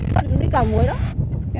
cận đi cả muối đó